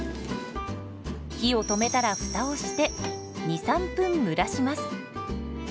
火を止めたらフタをして２３分蒸らします。